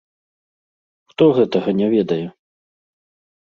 Хто гэтага не ведае?